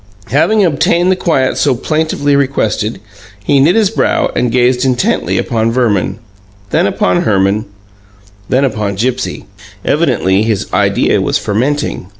Having obtained the quiet so plaintively requested, he knit his brow and gazed intently upon Verman, then upon Herman, then upon Gipsy. Evidently his idea was fermenting.